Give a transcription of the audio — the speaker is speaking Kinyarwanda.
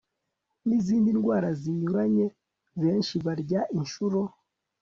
nizindi ndwara zinyuranye Benshi barya inshuro